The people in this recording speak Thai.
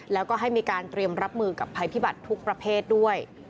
แล้วก็ให้มีการเตรียมรับมือกับภัยพิบัติทุกประเภทด้วย